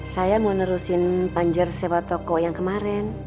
saya mau nerusin banjir sewa toko yang kemarin